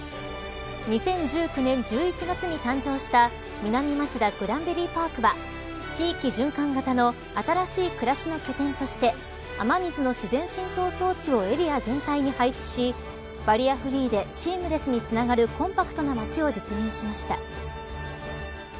２０１９年１１月に誕生した南町田グランベリーパークは地域循環型の新しい暮らしの拠点として雨水の自然浸透装置をエリア全体に配置しバリアフリーでシームレスにつながるコンパクトな街を実現しました。